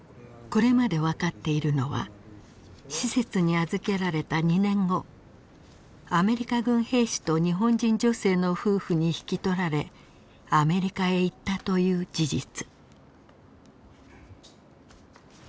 これまで分かっているのは施設に預けられた２年後アメリカ軍兵士と日本人女性の夫婦に引き取られアメリカへ行ったという事実。